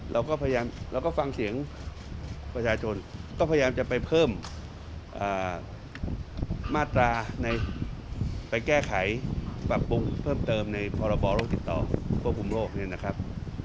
เราก็พยายามเราก็ฟังเสียงประชาชนก็พยายามจะไปเพิ่มมาตราไปแก้ไขปรับปรุงเพิ่มเติมในพรบโรคติดต่อควบคุมโรคเนี่ยนะครับ